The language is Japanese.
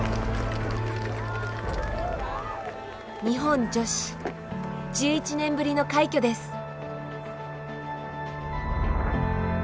日本女子１１年ぶりの快挙です。